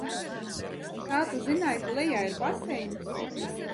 Kā tu zināji, ka lejā ir baseins?